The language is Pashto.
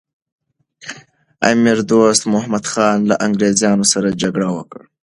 امیر دوست محمد خان له انګریزانو سره جګړه وکړه.